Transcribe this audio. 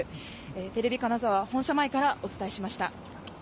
テレビ金沢本社前からお伝えしました。